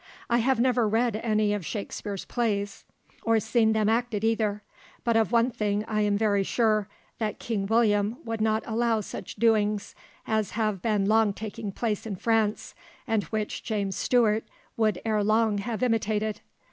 "I have never read any of Shakspeare's plays, or seen them acted either; but of one thing I am very sure, that King William would not allow such doings as have been long taking place in France, and which James Stuart would ere long have imitated.